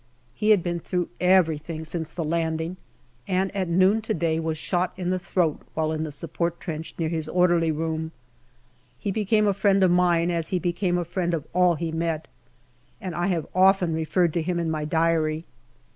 He had been through everything since the landing, and at noon to day was shot in the throat while in the support trench near his " orderly room." He became a friend of mine, as he became a friend of all he met, and I have often referred to him in my Diary.